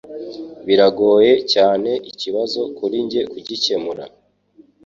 Biragoye cyane ikibazo kuri njye kugikemura